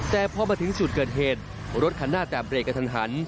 แต่พอมาถึงสูตรเกิดเหตุรถขันหน้าแต่เบรกกันทัน